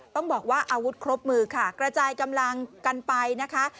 ต้องบอกว่าอาวุธครบมือค่ะกระจายกำลังกันไปนะคะ